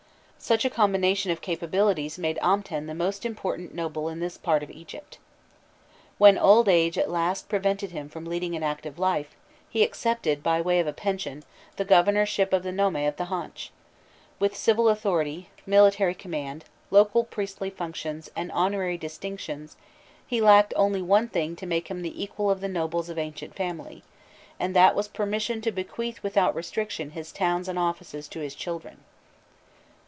Such a combination of capabilities made Amten the most important noble in this part of Egypt. When old age at last prevented him from leading an active life, he accepted, by way of a pension, the governorship of the nome of the Haunch: with civil authority, military command, local priestly functions, and honorary distinctions, he lacked only one thing to make him the equal of the nobles of ancient family, and that was permission to bequeath without restriction his towns and offices to his children.